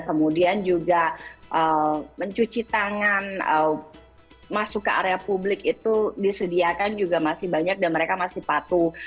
kemudian juga mencuci tangan masuk ke area publik itu disediakan juga masih banyak dan mereka masih patuh